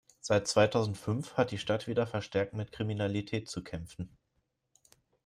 Seit zweitausendfünf hat die Stadt wieder verstärkt mit Kriminalität zu kämpfen.